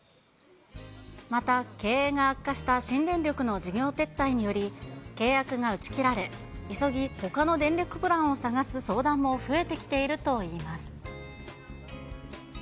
また経営が悪化した新電力の事業撤退により、契約が打ち切られ、急ぎほかの電力プランを探す相談も増えてきているといいます。